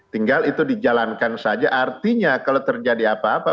tinggal itu dijalankan saja artinya kalau terjadi apa apa